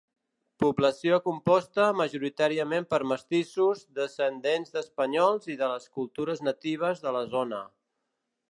Població composta majoritàriament per mestissos, descendents d'espanyols i de les cultures natives de la zona.